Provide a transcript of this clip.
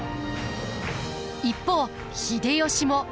一方秀吉も。